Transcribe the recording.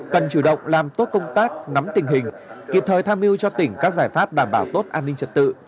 cần chủ động làm tốt công tác nắm tình hình kịp thời tham mưu cho tỉnh các giải pháp đảm bảo tốt an ninh trật tự